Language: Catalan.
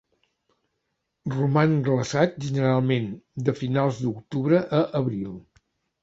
Roman glaçat generalment de finals d'octubre a abril.